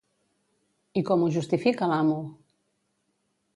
I com ho justifica l'amo?